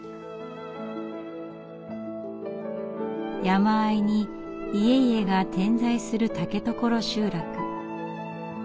山あいに家々が点在する竹所集落。